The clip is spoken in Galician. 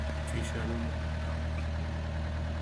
Fixérono por carta.